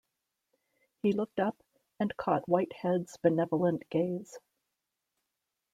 He looked up, and caught Whitehead's benevolent gaze.